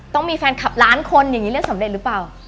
ต้องมีแฟนคลับล้านคนอย่างนี้เล่นสำเร็จหรือเปล่า